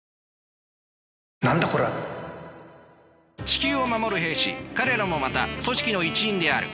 地球を守る兵士彼らもまた組織の一員である。